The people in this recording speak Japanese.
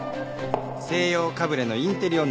西洋かぶれのインテリ女。